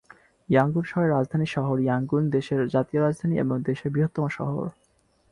Yangon অঞ্চলের রাজধানী শহর ইয়াঙ্গুন দেশের জাতীয় রাজধানী এবং দেশের বৃহত্তম শহর।